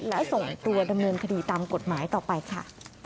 และส่งตัวดำเนินคดีตามกฎหมายต่อไปค่ะ